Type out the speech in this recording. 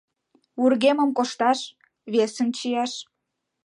— Вургемым кошташ, весым чияш...